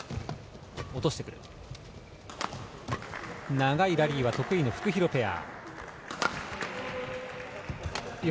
長いラリーが得意のフクヒロペア。